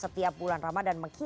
nah bimber berada di